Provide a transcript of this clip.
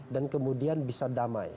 dan kemudian bisa damai